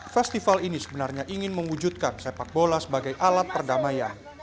festival ini sebenarnya ingin mewujudkan sepak bola sebagai alat perdamaian